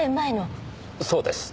そうです。